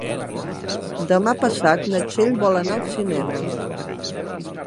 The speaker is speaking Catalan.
Demà passat na Txell vol anar al cinema.